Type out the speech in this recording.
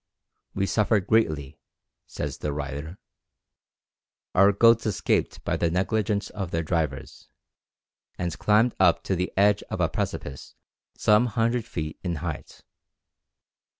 "We suffered greatly," says the writer; "our goats escaped by the negligence of their drivers, and climbed up to the edge of a precipice some hundred feet in height.